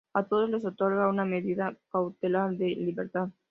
A todos les otorgaron una medida cautelar de libertad.